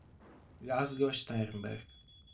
László Sternberg